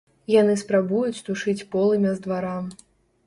Яны спрабуюць тушыць полымя з двара.